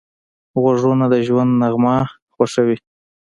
غوږونه د ژوند نغمه خوښوي